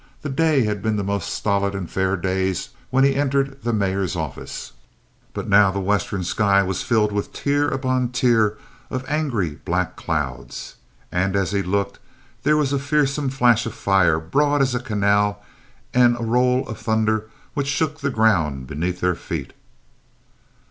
The day had been the most stolid and fair of days when he entered the Mayor's office, but now the western sky was filled with tier upon tier of angry black clouds, and as he looked there was a fearsome flash of fire broad as a canal and a roll of thunder which shook the ground beneath their feet.